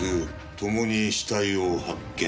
ともに死体を発見。